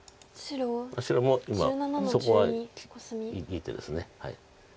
白も今そこはいい手です。